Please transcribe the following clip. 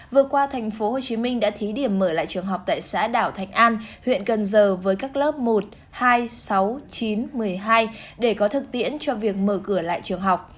vừa qua tp hcm đã thí điểm mở lại trường học tại xã đảo thạch an huyện cần giờ với các lớp một hai sáu chín một mươi hai để có thực tiễn cho việc mở cửa lại trường học